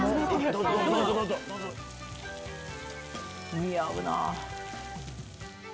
似合うなぁ。